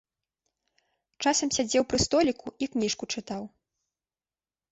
Часам сядзеў пры століку і кніжку чытаў.